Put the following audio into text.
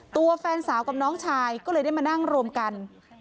ตัวแฟนสาวกับน้องชายก็เลยได้มานั่งรวมกัน